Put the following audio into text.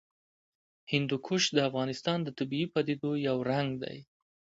هندوکش د افغانستان د طبیعي پدیدو یو رنګ دی.